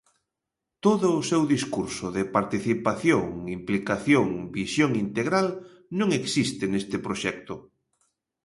Todo o seu discurso de participación, implicación, visión integral non existe neste proxecto.